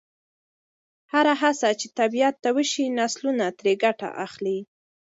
هره هڅه چې طبیعت ته وشي، نسلونه ترې ګټه اخلي.